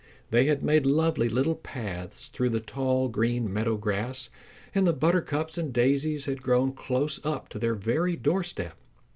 They had made lovely little paths through the tall green meadow grass, and the buttercups and daisies had grown close up to their very doorstep.